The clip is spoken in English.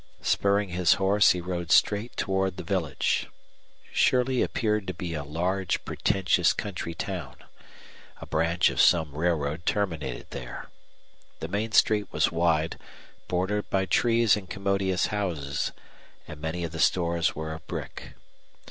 Spurring his horse, he rode straight toward the village. Shirley appeared to be a large, pretentious country town. A branch of some railroad terminated there. The main street was wide, bordered by trees and commodious houses, and many of the stores were of brick.